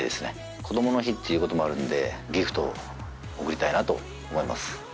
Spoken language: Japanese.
こどもの日っていうこともあるんでギフトを贈りたいなと思います。